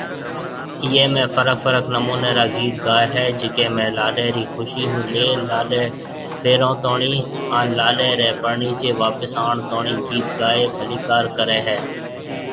ايئي ۾ فرق فرق نموني را گيت گاوي هي، جڪي ۾ لاڏي ري خوشي هون لي لاڏي ڦيرون توڻي هان لاڏي ري پرڻجي واپس آڻ توڻي گيت گائي ڀليڪار ڪري هي